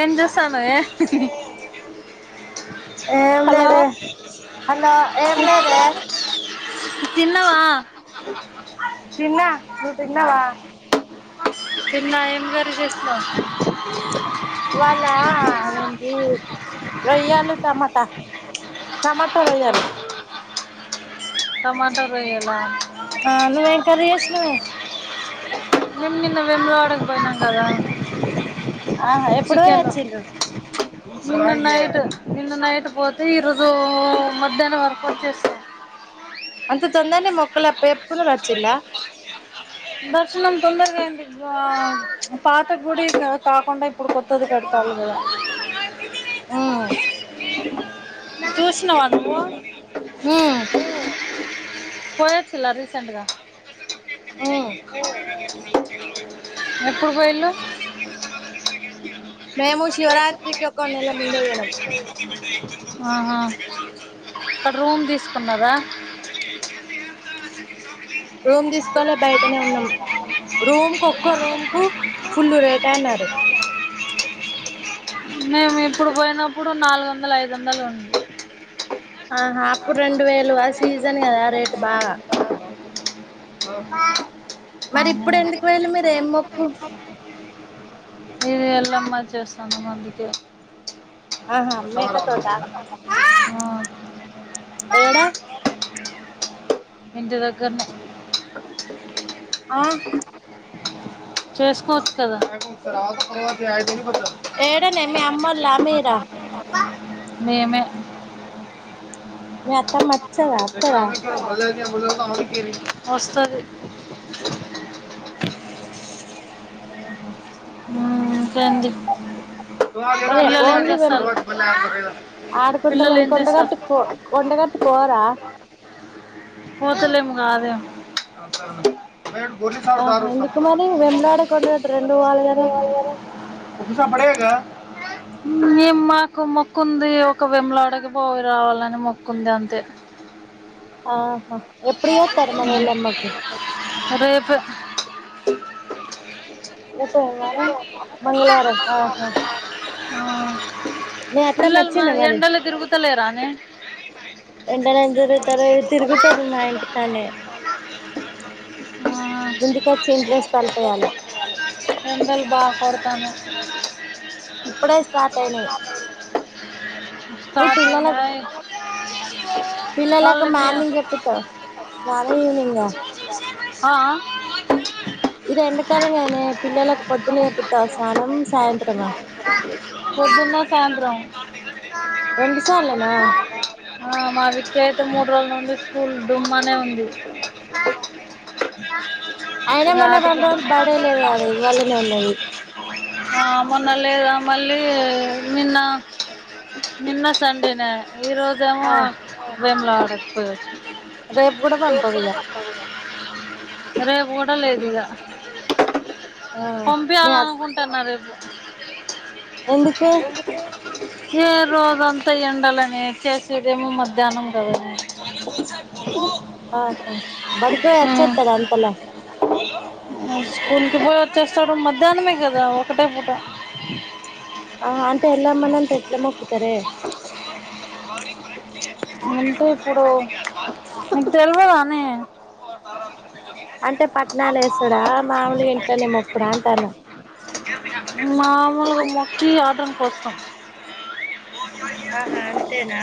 ఏం చేసా నుే ఏం హలో లేదే హలో ఏం లేదే తిన్నవా తిన్నా నువ్వు తిన్నావా నిన్నా ఏం జరిగిందో వస్ వాళ అదేంటి రొయ్యాలు టమాటా టమాటా రొయ్యాలు టమాటా రొయ్యల ఆ నువ్వు ఎం కర్రీ చేసినవే మేము నిన్న వెములు ఆడకపోయినాం కదా ఆ ఆహా ఎప్పుడు పోయచ్చులుు నిన్న నైట్ నిన్న నైట్ పోతే ఈరోజు మధ్యాహ్నం వరకు వచ్చేసారు అంత తొందనే మొక్కల పే ఆ దర్శనం తొందరగా ఏంది పాత గుడి కాకుండా ఇప్పుడు కొత్తది పెడతాలి కదా హమ్ చూసినవ నువు హ పోయథా లాత్ సండ్గా ఉమ్ హమ్ ఎప్పుడు పోయళ మేము శివరాత్రిక ఒ ఒక ఉండెల ముందే వేడం ఆహా అక్కడ రూమ్ తీసుకున్నదా రూమ్ తీసుకోవాలి బయటనే ఉన్నాం రూమ్ కు ఒక్క రూమ్ కు ఫుల్లు రేటా అన్నారు మేము ఇప్పుడు పోయినప్పుడు నాలుగు వందలు ఐదు వందలు ఉండి ఆహా అప్పుడు రెండు వేలు ఆ సీజన్ కదా ఆ రేటు బాగా ఓ బా బా మరి ఇప్పుడు నను ఎందుకు వెళ్ళి మీరు ఏం మొక్కు ఎలమచ చేస్తాను అందుక ఆహా మేకతోటా ఆ ఏడా ఇంటి దెగరనే ఆ చేసుకో పడ తజతో ఏడనే మీ అమ్మోళ్ళ మీరా పంద మేమే మి అత్తమ్మ అచ్చ గా కధ వస్తుది అవన హమ్ ఓకే అండి మరి పిల్లలు ఏం ఓన్లీ వెం చేస్తారు ఆడుకుంటలు పిల్లలు వెళ్ళి ఏం చేస్తారు కొండగట్టు కో కొండగట్టు అ పోరా పోఓ తలే మంగద బ బలీస ఆహా దారు సా ఎందుకు మరి వెములాడ కొండగట్టు రెండు పోవాలి కదా పడేగా మే మాకు మొక్కుంది ఒక విములాడకి బావి రావాలని మొక్కుంది అంతే ఆహా ఎప్పుడియా తర్మనలమ్మకు రేపు ఎతేయి మార మంగళవార ఆ పిల్లలమా వచ్చిందా ఎండల తిరుగు స్తలే రానే ఎంటనే ఎజరు త తిరుగు వస్తారు మా ఇంటికానే ఆ, ముందుక వచ్చి ఇంట్లోస్త తలిపోయాలి పా పడుతాము ఇప్పుడే స్టార్ట్ అయినయ్ పిల్లలకు అ పిల్లలకు మార్నింగ్ చెప్పతా స్న ఈవనింగ్ ఆ ఆ ఇది ఎండాకాలంగానే పిల్లలకు పొద్దున నేర్పుతా స్నానం సాయంత్రమా పొద్దున్న సాయంత్రం రెండుసాళనా ఫుల్ డుమ్మానే ఉంది అయినా మొన్న రెండు రోజులు బడే [unintelligible] లేదు కదా ఇవ్వాలనే ఉన్నది ఆ మొన్న లేదా మళ్ళీ నిన్న నిన్న సండేనే ఈ రోజేమో ఆ వేమ్లాడు [unintelligible] రేపు కూడా పంపవ ఇద అరే ఒో చండలేదు ఇక ఆ మీ పంపించాల అనుకుంటున్నేపు ఎందుకు ఏ రోజంతా ఎండలో చేసేదేమో మధ్యాహ్నం కదని ఆహా బడికి హచ్చతాడ అంతలా స్కూల్ కి పోయి వచ్చేస్తాడు మధ్యాహ్నమే కదా ఒకటే పూట ఆ అంత ఎల్మ్మన అంత ఎట్ల మకుతార అంటే ఇప్పుడు నీక్ దెల్వదా? నే. అంటే పట్నాలెసుడా, మాములుగా ఇంట్లనే మొక్కుడా అంటాన్నా. మామూలుగా మొక్కి యాటను కోస్తాం. ఆహా అంతేనా. !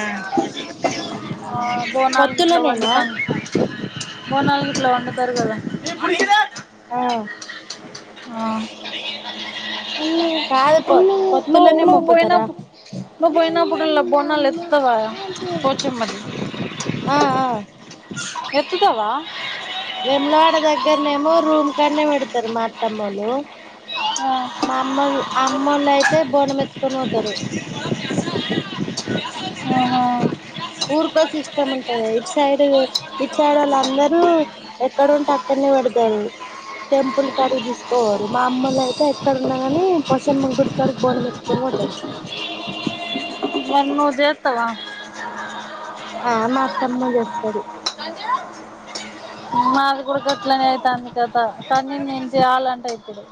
ఆ బోనాల్ గిట్ల ఒండుతం. బోనాల్ గిట్లా వండుతారు గదా. ! ఆ ఆ. కాదు పొ నువు పొత్తులనే నువు మొక్కుతారా పోయనాప్పు నువ్వు పోయనాప్పుడిలా బోన్. నాల్ ఎత్తవా పోచమ్మది. ఆఆ. ఎత్తుతావా వెములవాడ దగ్గర్నేమో రూమ్ కాడ్నె పెడతారు మా అత్తమ్మొళ్లు ఆహా మా అమ్మళ్లు అమ్మళ్ళైతే బోనం ఎత్తుకొని బోతారు. ఆహా. ఊరుకో సిస్టమ్ ఉంటదె, ఇటు సైడు ఇటు సైడొలందరూ ఎక్కడుంటే అక్కడ్నే పెడతారు. టెంపుల్ కాడిగి దిస్కబోరు మా అమ్మోలైతే ఎక్కడున్నా గాని పోషమ్మ గుడికాడికి బోనం ఎత్తుకొని బోతారు. నన్నూ జేత్తవా. ఆ మాతమ్మ జేస్తాది. మాది గూడా గట్లనే అయితాంది కథా, కానీ నేను జేయాలంటా ఈప్పుడూ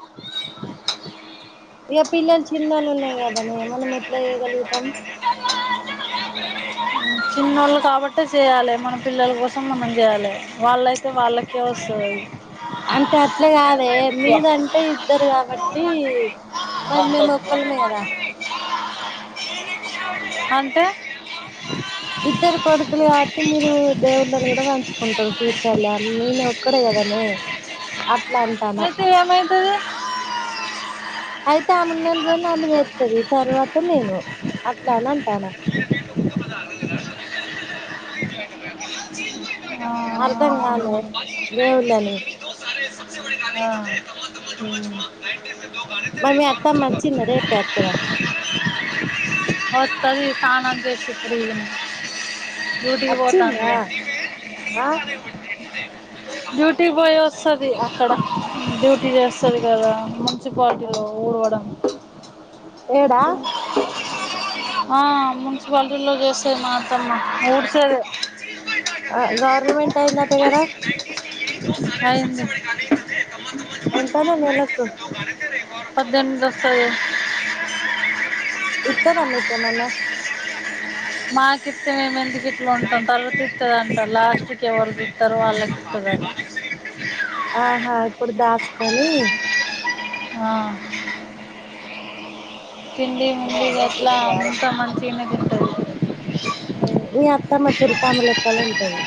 ఇగ పిల్లల్. చిన్నాలు ఉన్నాయి గదనే మనం ఎట్లా ఎయ్యగలుగుతాం.? ఊ చిన్నోళ్ళు కాబట్టే సేయాలె మన పిల్లల కోసం మనం జేయాలి వాళ్ళయితే వాళ్ళకే వస్తదది. అంటే అట్లా గాదే మీదంటే ఇద్దరు గాబట్టి మరి మేము ఓ. క్కల్మే గదా. అంటే. ఇద్దరు కొడుకులు గాబట్టి మీరు దేవుళ్ళని గూడా పంచుకుంటారు ఫ్యూచర్ లో నేను ఒక్కడే కదనే అట్లా అంటానా. అయితే [unintelligible] అయి. తా ఆమూన్నన్నిరోలు అమ్మె జేత్తది తర్వాత నేను అట్లా అన్ అంటాన. ఇప్ప అ ఆ అర్థం ఆఆహా. కాలే ఆ. దేవుళ్ళని త తమ దోగుగాడతే మరి మీ అత్తమ్మ రే వచ్చిందా రేపే అత్తదా. !? ఒత్తది సానం జేసిప్పుడు. డ్యూటీకి వచ్చిందా పోతాండుగా ఆ డ్యూటీ కి పోయ వస్తది అక్కడ డ్యూటీ చేస్తది గదా న్సిపాలిటీలొ ఊర్వడం ఏడా ఆ మున్సిపాలిటీలో జేస్తది మాత్తమ్మ ఊర్సేదే. ఆ గవర్నమెంట్ అయిందటకదా అయింది ఎంతనో నెలకు పద్దెమింది వ సరే ఇత్తద మికేమన్న మాకు ఇత్తే మేము ఎందుకు ఇట్లుటాం? తర్వాత ఇత్తదంట, లాస్ట్కి ఎవరికి ఇత్తారో, వాళ్ళకి ఇత్తదో. ఆహా ఇప్పుడు దాసుకొని ఆ తిండి ముండి గట్లా అంత మంచిగానే తింటది మీ అత్తమ్మ తురుకమే లెక్కలొ ఉంటాది.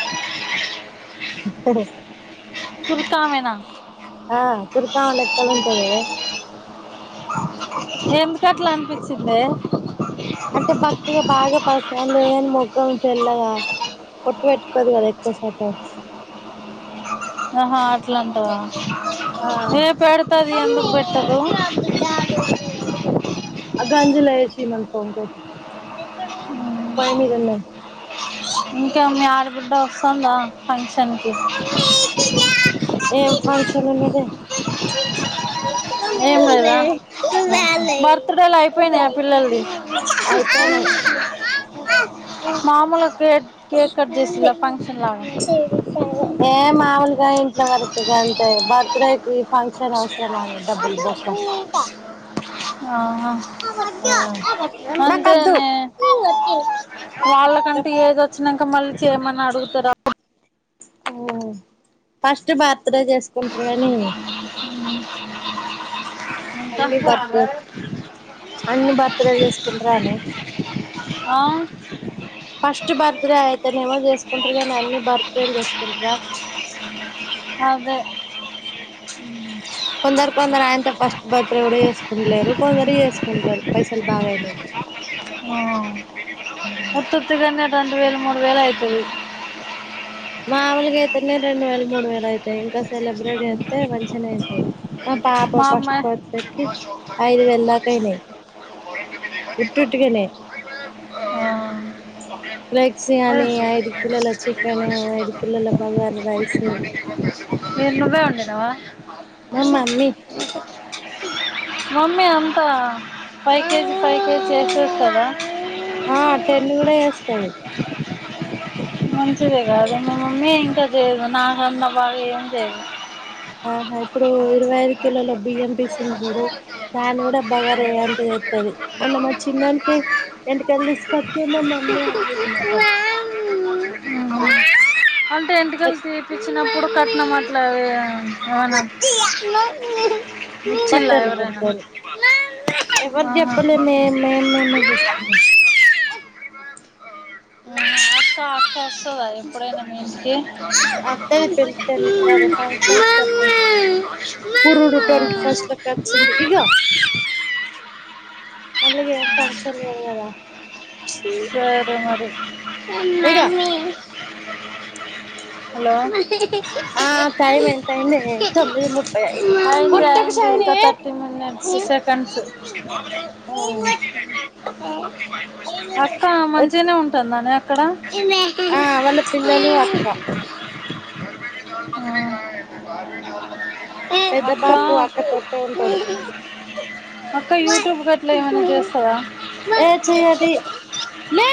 కురికామేనా ఆ తుర్కామే లేక్కలుంటది గద ఎందుకట్లా అనిపించిందే అంటే, భక్తిగా బాగా పరిసయం లేని మొఖం తెల్లగా బోట్టు పెట్టుకోదు కదా ఎక్కువ శాతం. ఆహా అట్లాంటావా ఆ ఏ పెడతది ఎందుకు పెట్టదు అ అ గంజిలో ఏసి మన్పో ఇంన్కోటి పోయిమీదున్నది ఇంకా మ్యా మీ ఆడ బిడ్డ వసంద ఫ ఎం ఫంక్షనుంన్నదే ఏం లేదా బర్త్డేలు ఆహా అయిపోయినాయి ఆ పిల్లలది అయిపోనై మామూలు కేక్ కేక్ కట్చేసిల్ల ఫంక్షన్లా ఫంక్షన్లగా ఇంట్ల వరకి గంతే బర్త్డేకి ఫంక్షన్ అవసరమానే డబ్బులు బొక్క ఆహా నాకొద్దు అంతేనే వాళ్ళకంటే ఏజ్చ్ చ్చినంక మళ్ళీ చేయమని అడుగుతారు ఆ పూ ఓహో ఫస్ట్ భర్తడే చేసుకుంటారు గానీ అన్ని బర్త్డే ఇంకా అన్ని బర్త్డేల్లు చేసుకుంటరానే ఆవు ఫస్ట్ బర్త్ డే యితే నవ చేస్కుంట్ర గ న అన్ని బర్త్డేల్ చేస్కుంట్ర అదే కొందరు కొందరు ఆయనంత ఫస్ట్ బర్త్డే కూడా చేసుకుంటలేరు కొందరు చేసుకుంటారు పైసలు బాగాయినళ్ళు ఆ. ఉత్తుత్తిగానే రెండు వేల మూడు వేల అయితుది మామూలుగా అయితేనే రెండు వేలు మూడు వేలు అయితాయి ఇంకా సెలబ్రటీ వస్తే మంచిగాిన అవుతాయి మా పాప మా ఫస్ట్ అమ్మాయి బర్త్డే కి ఐదు వేళ దాకా అయినాయి ఉట్ట్టుకనాయి ఆ. రైక్స్యాని ఐదు కిలోోల చికెను ఐదు కిలోోల బగారు రైస్ మీరు నువ్వే వండినవ మా మమ్మీ మమ్మీ అంతా ఫైవ్ కేజీ ఫైవ్ కేజీ చేేసేస్తుందా ఆ అ టెం కూడా చేస్తది మంచిదే కాదు మా మమ్మీ ఇంకా చేయ్యదు నాకన్న బాగా ఏం చేయదు ఆహా ఇప్పుడు ఇరవై ఐదు కిలోల బియ్యం పీసింది చూడు దాని కూడా బగారేలాంటిదిస్తుది మొన్న మా చిన్నోనికే ఇంటకి అందిస్తుతేమ మా మమ్మీ అంది మాట అంటే ఎంటికళ్ళు తీప్పించిన ప్పుడు కట్న మాట్లా అ అవునా వచ్చిల్ల బట్టలు ఎవరైనా కొడతారు ఎవరు ఆహా చెప్పలే మే మేం మేమే చేసుకున్నాం [inaudible] వస్తుందా ఎప్పుడైనా మీ ఇంటికి అత్తది పెళ్లిళ్ల అదే ఫంక్షన్స్ కి అత్తది పురుడు ట్వంటీ ఫస్ట్ లకి వచ్చింది ఇగో మళ్ళీ ఏం ఫంక్షన్ లేదు కదా సరే మరి ఉన్నా ఇగో అని హలో అయింది ఆ టైం ఎంత అయింది తొమ్మిది ముప్పై అయింది కొట్టకు షైనీ ఇ థర్టీ మినిట్స్ సెకండ్స్ అక్క మంచిగానే ఉంటుందని అ ఇక్కడ ఆ వాళ్ళ పిల్లలు అక్క తే బ [unintelligible] పెద్ద అక్క బాబు అక్కతోటే ఉంటాడు అక్క యిట్యూబ్ గట్లే స ఏ చేయది లే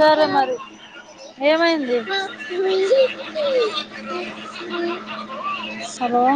సరే మరి ఏమైంది హారో